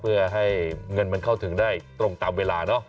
เพื่อให้เงินมันเข้าถึงได้ตรงตามเวลาเนอะ